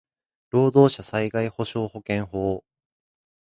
労働者災害補償保険法